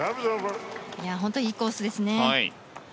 本当にいいコースですね。